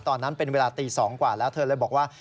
ตอนนั้นเป็นเวลาตี๒กว่าแล้วเธอเลยบอกว่า